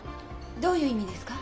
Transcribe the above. どういう意味ですか？